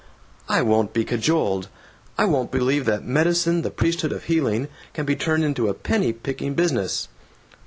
"I won't be cajoled! I won't believe that medicine, the priesthood of healing, can be turned into a penny picking business."